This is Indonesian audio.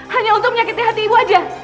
hanya untuk menyakiti hati ibu aja